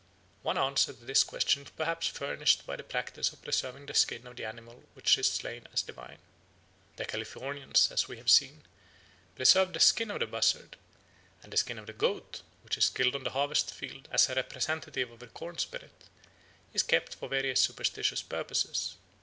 One answer to this question is perhaps furnished by the practice of preserving the skin of the animal which is slain as divine. The Californians, as we have seen, preserved the skin of the buzzard; and the skin of the goat, which is killed on the harvest field as a representative of the corn spirit, is kept for various superstitious purposes.